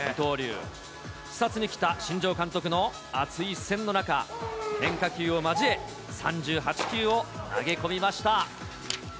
視察に来た新庄監督の熱い視線の中、変化球を交え、３８球を投げ込みました。